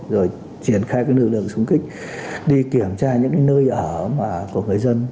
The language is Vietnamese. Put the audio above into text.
rồi triển khai cái lực lượng súng kích đi kiểm tra những cái nơi ở của người dân